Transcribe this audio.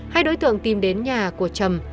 hai đối tượng tìm đến nhà của trầm